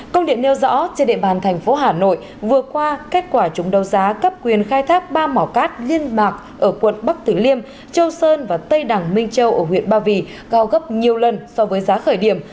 công điện nêu rõ trên địa bàn thành phố hà nội vừa qua kết quả chúng đấu giá cấp quyền khai thác ba mỏ cát liên mạc ở quận bắc thứ liêm châu sơn và tây đằng minh châu ở huyện ba vì cao gấp nhiều lần so với giá khởi điểm